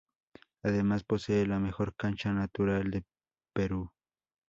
Además posee la mejor cancha natural del Perú.